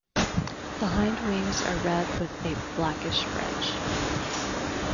The hind wings are red with a blackish fringe.